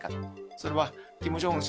それはキム・ジョンウン